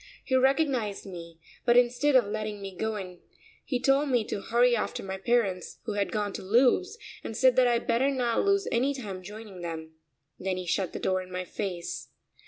He recognised me, but instead of letting me go in he told me to hurry after my parents, who had gone to Lewes, and said that I'd better not lose any time joining them. Then he shut the door in my face.